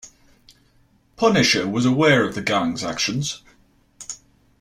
Punisher was aware of the gang's actions.